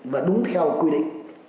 và đúng theo quy định